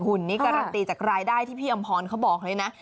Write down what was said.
หนี้การันตีจากรายได้ที่พี่อำพรเขาบอกเลยนะ